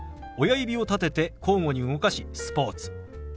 親指を立てて交互に動かし「スポーツ」。